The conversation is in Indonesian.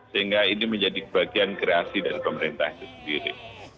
sehingga ini menjadi bagian kreasi dari pemerintah itu sendiri